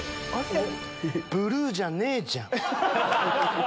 ブルーじゃねえじゃん。